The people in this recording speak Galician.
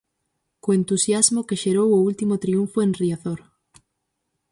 Co entusiasmo que xerou o último triunfo en Riazor.